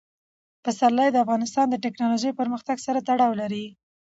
پسرلی د افغانستان د تکنالوژۍ پرمختګ سره تړاو لري.